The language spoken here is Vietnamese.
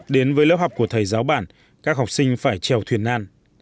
đến với lớp học của thầy giáo bản các học sinh phải trèo thuyền nan